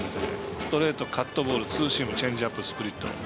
ストレート、カットボールツーシーム、チェンジアップスプリット。